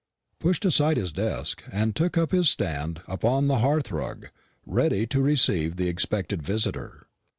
pushed aside his desk, and took up his stand upon the hearthrug, ready to receive the expected visitor.